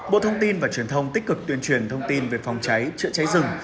bộ thông tin và truyền thông tích cực tuyên truyền thông tin về phòng cháy chữa cháy rừng